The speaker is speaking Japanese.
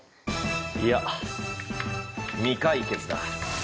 いや未解決だ。